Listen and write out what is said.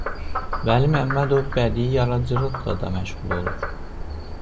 Vəli Məmmədov bədii yaradıcılıqla da məşğul olur.